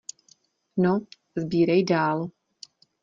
No, sbírej dál.